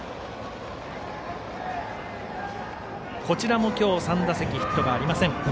こちらも今日３打席ヒットがありません